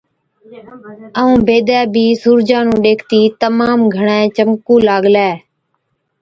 ائُون بيدَي بِي سُورجا نُون ڏيکتِي تمام گھڻَي چمڪُون لاگلَي۔